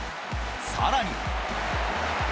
さらに。